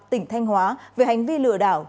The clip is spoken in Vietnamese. tỉnh thanh hóa về hành vi lừa đảo